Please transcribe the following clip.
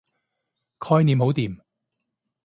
概念好掂